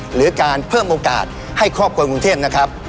หรือการเพิ่มโอกาสให้ครอบครัวกรุงเทพนะครับ